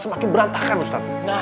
semakin berantakan ustaz nah itu dia ustaz